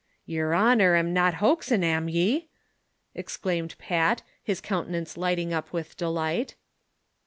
"Yer honor am not hoaxin', am ye? "exclaimed Pat, his countenance lighting up with delight.